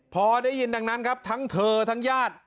พอได้ยินดังนั้นครับทั้งเธอทั้งญาติ